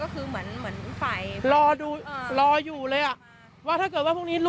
เพราะว่าทางโน้น